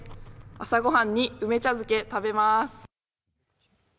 朝御飯に梅茶漬け、食べます。